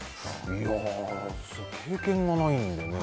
いや、経験がないのでね。